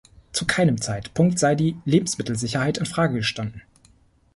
Zu keinem Zeitpunkt sei die Lebensmittelsicherheit in Frage gestanden.